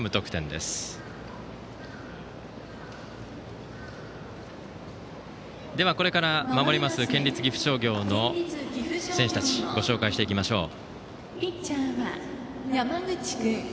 では、これから守る県立岐阜商業の選手たちをご紹介していきましょう。